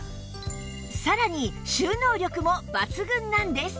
さらに収納力も抜群なんです！